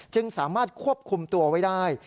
จึงสามารถควบคุมตัวไว้ได้